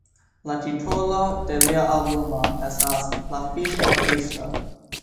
La titolo de lia albumo estas "La Fiŝkaptisto".